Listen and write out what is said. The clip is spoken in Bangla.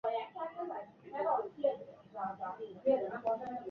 এই ঘটনাকে হল ক্রিয়া বলে।